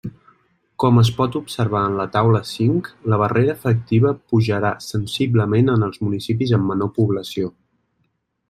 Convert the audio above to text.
Com es pot observar en la taula cinc, la barrera efectiva pujarà sensiblement en els municipis amb menor població.